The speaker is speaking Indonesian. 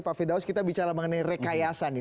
pak fidaus kita bicara mengenai rekayasa nih